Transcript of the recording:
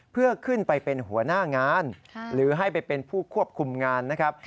เพื่อขึ้นไปเป็นหัวหน้างานหรือให้ไปเป็นผู้ควบคุมงานนะครับ